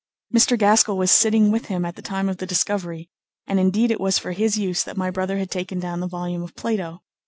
Mr. Gaskell was sitting with him at the time of the discovery, and indeed it was for his use that my brother had taken down the volume of Plato.